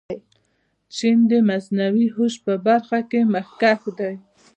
چین د مصنوعي هوش په برخه کې مخکښ دی.